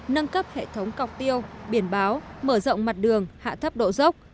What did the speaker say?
thấp hệ thống cọc tiêu biển báo mở rộng mặt đường hạ thấp độ dốc